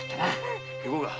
行こうか。